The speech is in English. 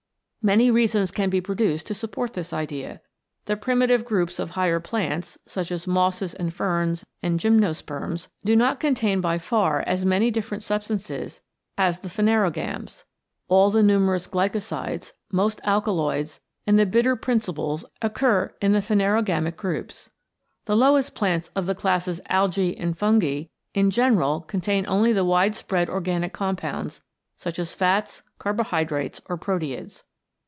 Many reasons can be produced to support this idea. The primitive groups of higher plants, such as Mosses and Ferns, and Gymnosperms, do not contain by far as many different substances as the Phanerogams. All the numerous glycosides, most alkaloids, and the bitter principles occur in the phanerogamic groups. The lowest plants of the classes Algse and Fungi in general contain only the wide spread organic compounds, such as fats, carbo hydrates, or proteids.